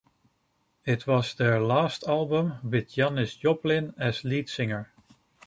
It was their last album with Janis Joplin as lead singer.